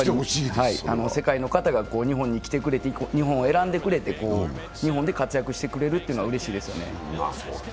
世界の方が日本に来てくれて日本を選んでくれて日本で活躍してくれるというのはうれしいですよね。